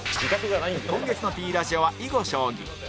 今月の Ｐ ラジオは囲碁将棋